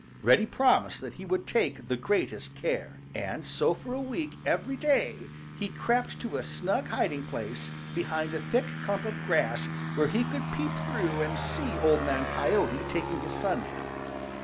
Reddy promised that he would take the greatest care, and so for a week every day he crept to a snug hiding place behind a thick clump of grass where he could peep through and see Old Man Coyote taking his sun nap.